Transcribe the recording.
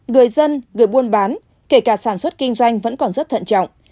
người dân người buôn bán kể cả sản xuất kinh doanh vẫn còn rất thận trọng